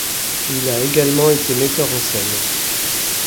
Il a également été metteur en scènes.